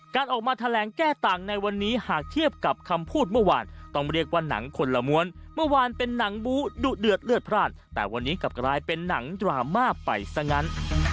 การออกมาแถลงแก้ต่างในวันนี้หากเทียบกับคำพูดเมื่อวานต้องเรียกว่าหนังคนละม้วนเมื่อวานเป็นหนังบู้ดุเดือดเลือดพลาดแต่วันนี้กลับกลายเป็นหนังดราม่าไปซะงั้น